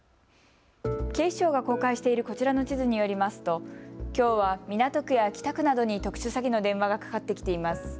警視庁が公開しているこちらの地図によりますときょうは港区や北区などに特殊詐欺の電話がかかってきています。